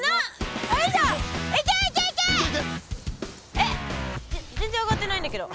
えっ全然あがってないんだけど。